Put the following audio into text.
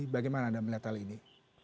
bagaimana anda melihat hal ini